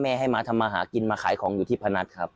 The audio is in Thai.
ให้มาทำมาหากินมาขายของอยู่ที่พนัทครับ